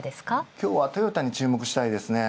トヨタに注目したいですね。